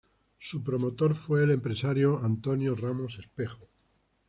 Su promotor fue el empresario Antonio Ramos Espejo.